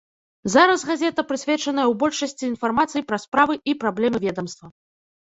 Зараз газета прысвечаная ў большасці інфармацыі пра справы і праблемы ведамства.